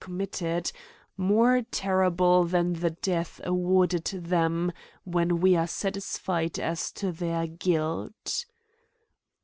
199 committed, more terrible than the death awarded them when we are satisfied as to their guilt.